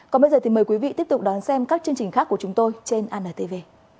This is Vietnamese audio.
còn bây giờ thì mời quý vị tiếp tục đón xem các chương trình khác của chúng tôi trên antv